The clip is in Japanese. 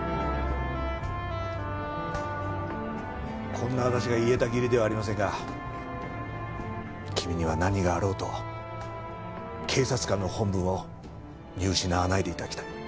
こんな私が言えた義理ではありませんが君には何があろうと警察官の本分を見失わないで頂きたい。